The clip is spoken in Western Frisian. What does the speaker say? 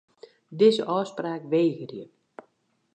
Dizze ôfspraak wegerje.